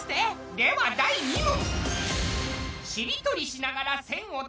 では第２問！